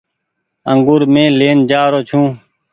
انگور مين لين جآ رو ڇو۔